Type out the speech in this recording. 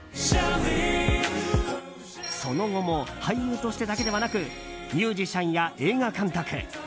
その後も俳優としてだけではなくミュージシャンや映画監督